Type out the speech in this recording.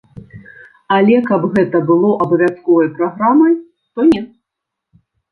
Але каб гэта было абавязковай праграмай, то не.